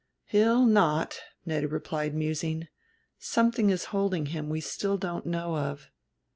"He'll not," Nettie replied, musing; "something is holding him we still don't know of."